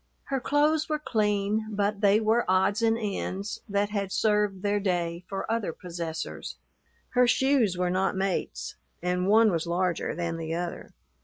Her clothes were clean, but they were odds and ends that had served their day for other possessors; her shoes were not mates, and one was larger than the other.